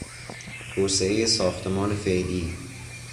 توسعهی ساختمان فعلی